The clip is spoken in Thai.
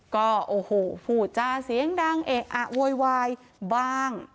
ก็โอ้โหพูดจาเสียงดังเอะอะโวยวายบ้าง